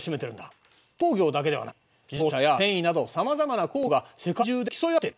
鉄鋼業だけではない自動車や繊維などさまざまな工業が世界中で競い合っている。